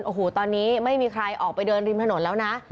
โอ้โหตอนนี้ไม่มีใครออกไปเดินริมถนนแล้วนะ